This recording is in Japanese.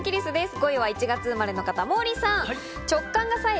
５位は１月生まれの方、モーリーさん。